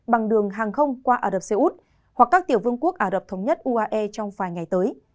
bằng đường hàng không qua ả rập xê út hoặc các tiểu vương quốc ả rập thống nhất uae trong vài ngày tới